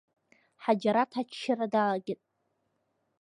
Ҳаџьараҭ аччара далагеит.